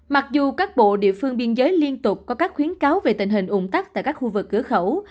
mặc dù các bộ địa phương biên giới liên tục có các khuyến cáo về tình hình ủng tắc tại các khu vực cửa khẩu